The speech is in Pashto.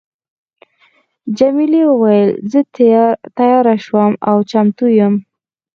جميلې وويل: زه تیاره شوم او چمتو یم.